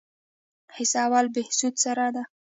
حصه اول بهسود سړه ده؟